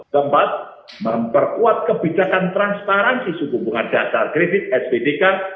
keempat memperkuat kebijakan transparansi sehubungan dasar kredit sbdk